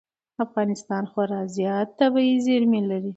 افغانستان خورا زیات طبعي زېرمې لري.